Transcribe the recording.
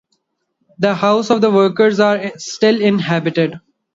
The houses for the workers are still inhabited.